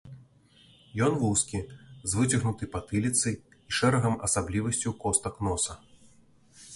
Ён вузкі, з выцягнутай патыліцай і шэрагам асаблівасцяў костак носа.